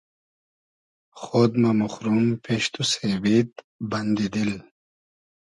خۉد مۂ موخروم پیش تو سېبید بئندی دیل